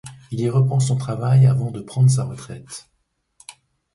Il y reprend son travail avant de prendre sa retraite.